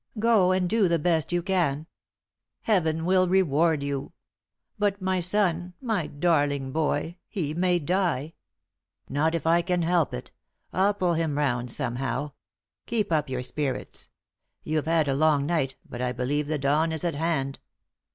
Go, and do the best you can. Heaven will reward you. But my son, my darling boy he may die!" "Not if I can help it. I'll pull him round somehow. Keep up your spirits. You have had a long night, but I believe the dawn is at hand."